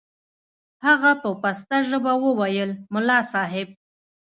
هغه په پسته ژبه وويل ملا صاحب.